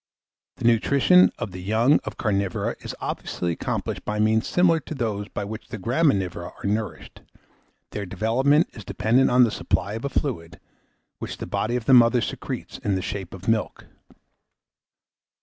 The nutrition of the young of carnivora is obviously accomplished by means similar to those by which the graminivora are nourished; their development is dependent on the supply of a fluid, which the body of the mother secretes in the shape of milk.